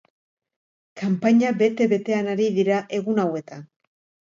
Kanpaina bete-betean ari dira egun hauetan.